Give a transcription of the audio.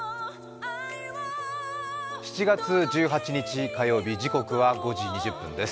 ７月１８日、火曜日、時刻は５時２０分です。